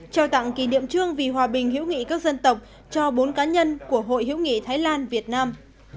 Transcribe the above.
trao tặng kỷ niệm trương vì hòa bình hữu nghị các dân tộc cho bốn cá nhân của hội hữu nghị thái lan việt nam